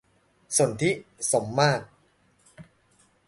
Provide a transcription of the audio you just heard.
สนธิ สมมาตร